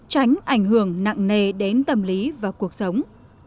tránh ảnh hưởng nặng nề đến tâm lý và cuộc sống